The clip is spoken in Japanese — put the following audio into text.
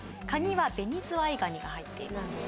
カニは紅ズワイガニが入っています